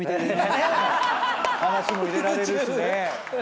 話も入れられるしね。